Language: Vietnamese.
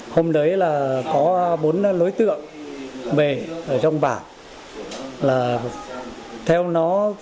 hôm đấy là có bốn lối tượng về trong bản